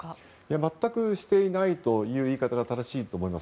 全くしていないという言い方が正しいと思います。